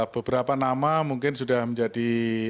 beberapa nama mungkin sudah menjadi